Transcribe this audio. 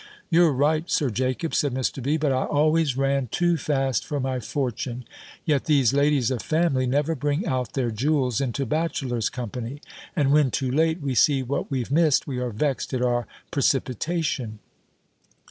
"You're right, Sir Jacob," said Mr. B.; "but I always ran too fast for my fortune: yet these ladies of family never bring out their jewels into bachelors' company; and when, too late, we see what we've missed, we are vexed at our precipitation."